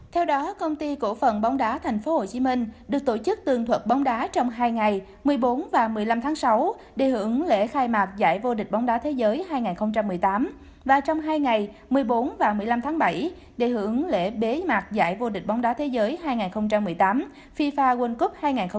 theo đó công ty cổ phần bóng đá tp hcm được tổ chức tương thuật bóng đá trong hai ngày một mươi bốn và một mươi năm tháng sáu để hưởng lễ khai mạc giải vô địch bóng đá thế giới hai nghìn một mươi tám và trong hai ngày một mươi bốn và một mươi năm tháng bảy để hưởng lễ bế mạc giải vô địch bóng đá thế giới hai nghìn một mươi tám fifa world cup hai nghìn một mươi chín